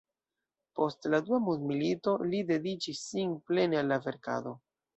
Post la Dua mondmilito li dediĉis sin plene al la verkado.